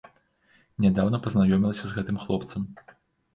Нядаўна пазнаёмілася з гэтым хлопцам.